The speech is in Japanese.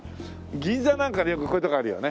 銀座なんかでよくこういう所あるよね。